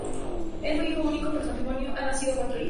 Él fue hijo único, pero de su matrimonio han nacido cuatro hijos.